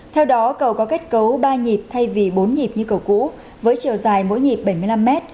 theo đó cầu có kết cấu ba nhịp thay vì bốn nhịp như cầu cũ với chiều dài mỗi nhịp bảy mươi năm mét